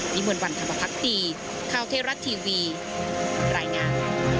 นี่มันวันธรรมภัครตีข้าวเทราจรัสทีวีใรนาม